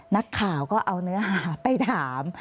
นักข่าวก็เอาเนื้อหาไปถาม